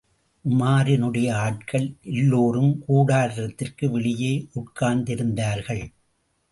உமாரினுடைய ஆட்கள் எல்லோரும் கூடாரத்திற்கு வெளியே உட்கார்ந்திருந்தார்கள்.